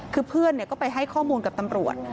คือเพื่อนก็ไปให้ข้อมูลกับตำรวจ